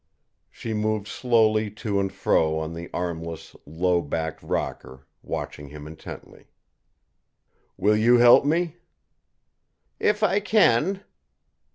She moved slowly to and fro on the armless, low backed rocker, watching him intently. "Will you help me?" "If I can."